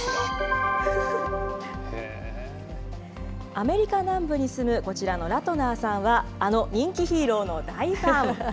アメリカ南部に住むこちらのラトナーさんは、あの人気ヒーローの大ファン。